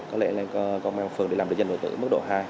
có lẽ lên công an phường để làm được danh điện tử mức độ hai